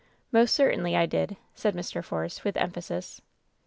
"Most certainly I did!" said Mr. Force, with em phasis.